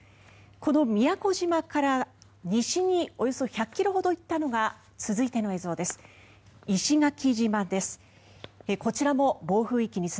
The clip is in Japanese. この宮古島から西におよそ１００ｋｍほど行ったのが続いての映像です。